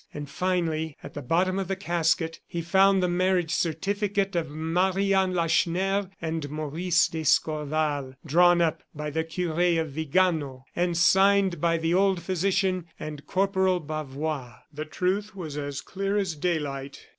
And finally, at the bottom of the casket, he found the marriage certificate of Marie Anne Lacheneur and Maurice d'Escorval, drawn up by the Cure of Vigano and signed by the old physician and Corporal Bavois. The truth was as clear as daylight.